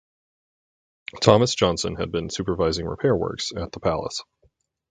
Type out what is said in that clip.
Thomas Johnson had been supervising repair works at the palace.